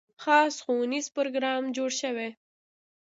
خاص ښوونیز پروګرام جوړ شوی.